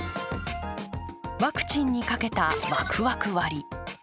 ワクチンにかけた、ワクワク割。